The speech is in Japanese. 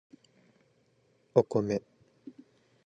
お米